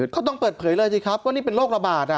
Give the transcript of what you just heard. ต้องเปิดเผยเลยสิครับว่านี่เป็นโรคระบาด